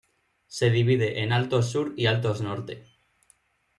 Se divide en Altos Sur y Altos Norte.